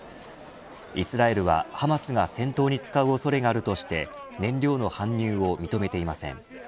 イスラエルは、ハマスが戦闘に使う恐れがあるとして燃料の搬入を認めていません。